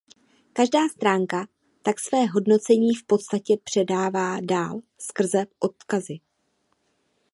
Každá stránka tak své hodnocení v podstatě předává dál skrze odkazy.